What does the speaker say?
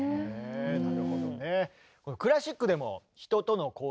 なるほどね。